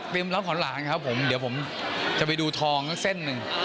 เป็นร้านของหลานครับผมเดี๋ยวผมจะไปดูทองเส้นหนึ่ง